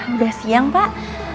udah siang pak